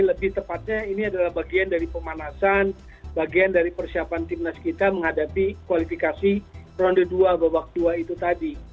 lebih tepatnya ini adalah bagian dari pemanasan bagian dari persiapan timnas kita menghadapi kualifikasi ronde dua babak dua itu tadi